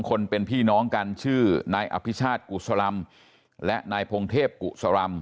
คนเป็นพี่น้องกันชื่อนายอภิชาติกุศลัมและนายพงเทพกุศรำ